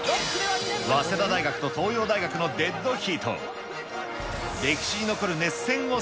早稲田大学と東洋大学のデッドヒート。